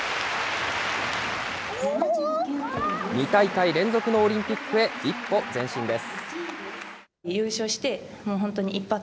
２大会連続のオリンピックへ一歩前進です。